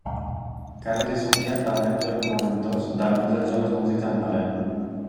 Carles i Sofia també actuen com a mentors d'alguns dels joves músics amb talent.